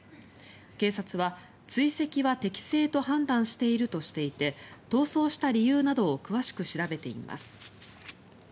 警察は追跡は適正と判断しているとしていて逃走した理由などを詳しく調べています。